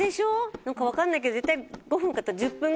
なんかわかんないけど絶対。